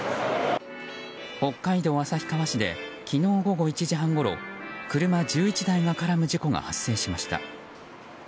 北海道旭川市で昨日午後１時半ごろ車１１台が絡む事故が発生しました。